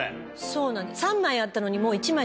そうなんです。